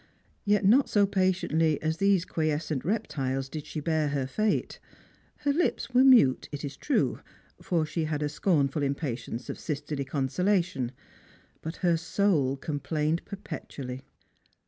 Yet not so patiently as these quiescent reptiles did she bear her fate. Her Hps were mute, it is true, for she had a scornful impatience of sisterly consolation, but her soul complained perpetually.